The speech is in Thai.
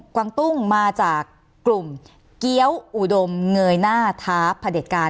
วางตุ้งมาจากกลุ่มเกี้ยวอุดมเงยหน้าท้าพระเด็จการ